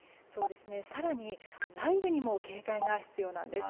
更に、雷雨にも警戒が必要なんです。